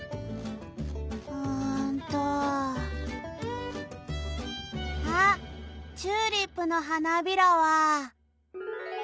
・うんとあっチューリップのはなびらは。